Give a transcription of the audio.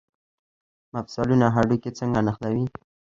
مفصلونه هډوکي څنګه نښلوي؟